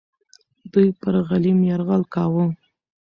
دوی پر غلیم یرغل کاوه.